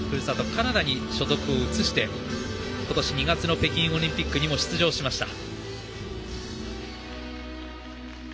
カナダに所属を移して今年２月の北京オリンピックにも出場しました。